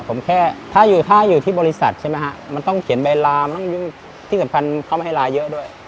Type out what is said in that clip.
ผมแค่ถ้าอยู่ที่บริษัทใช่ไหมฮะมันต้องเขียนใบลามันต้องที่สำคัญเขาไม่ให้ลาเยอะด้วย